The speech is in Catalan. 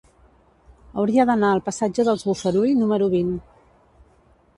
Hauria d'anar al passatge dels Bofarull número vint.